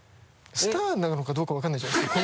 スターなのかどうか分からないじゃないですか